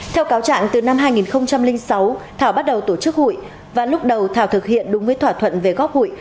theo cáo trạng từ năm hai nghìn sáu thảo bắt đầu tổ chức hụi và lúc đầu thảo thực hiện đúng với thỏa thuận về góp hụi